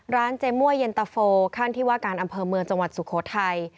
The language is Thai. เจมั่วเย็นตะโฟขั้นที่ว่าการอำเภอเมืองจังหวัดสุโขทัย